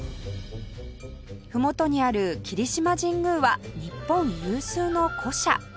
ふもとにある霧島神宮は日本有数の古社